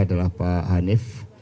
adalah pak hanif